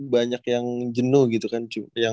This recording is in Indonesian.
banyak yang jenuh gitu kan yang